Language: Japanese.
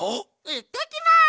いってきます！